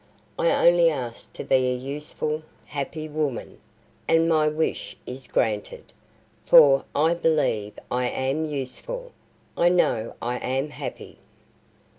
I only asked to be a useful, happy woman, and my wish is granted: for, I believe I am useful; I know I am happy."